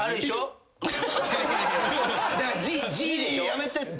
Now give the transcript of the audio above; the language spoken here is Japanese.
やめてって。